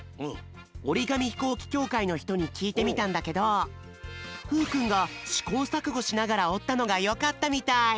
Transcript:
おりがみひこうききょうかいのひとにきいてみたんだけどふうくんがしこうさくごしながらおったのがよかったみたい。